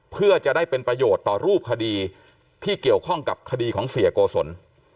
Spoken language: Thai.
เพื่อจะได้เป็นประโยชน์ต่อรูปคดีที่เกี่ยวข้องกับคดีของเสียโกศล